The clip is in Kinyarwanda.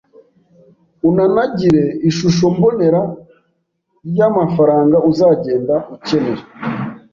unanagire ishusho mbonera y’amafaranga uzagenda ucyenera